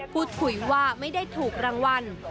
พูดคุยว่าไม่ได้ถูกรางวัล